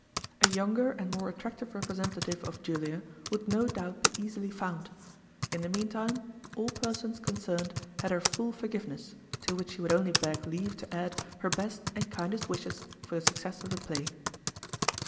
A younger and more attractive representative of Julia would no doubt be easily found. In the meantime, all persons concerned had her full forgiveness, to which she would only beg leave to add her best and kindest wishes for the success of the play.